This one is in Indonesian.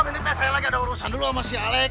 ini teh saya lagi ada urusan dulu sama si alec